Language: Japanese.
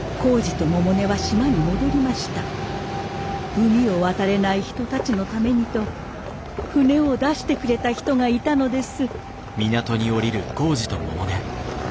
海を渡れない人たちのためにと船を出してくれた人がいたのです。